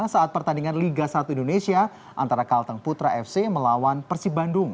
saat pertandingan liga satu indonesia antara kalteng putra fc melawan persib bandung